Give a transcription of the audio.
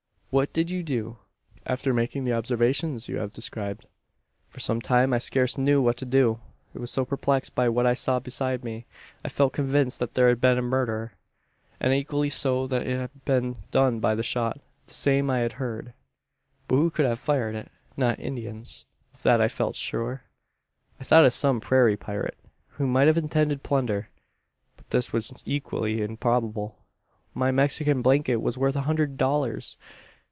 "What did you do, after making the observations you have described?" "For some time I scarce knew what to do I was so perplexed by what I saw beside me. I felt convinced that there had been a murder; and equally so that it had been done by the shot the same I had heard. "But who could have fired it? Not Indians. Of that I felt sure. "I thought of some prairie pirate, who might have intended plunder. But this was equally improbable. My Mexican blanket was worth a hundred dollars.